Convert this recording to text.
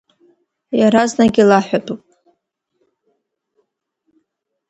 Иаразнак илаҳәатәуп!